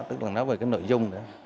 tức là nói về cái nội dung đó